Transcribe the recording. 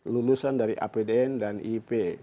lulusan dari apdn dan ip